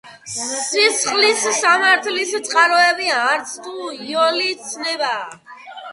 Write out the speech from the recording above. სისხლის სამართლის წყაროები არცთუ იოლი ცნებაა.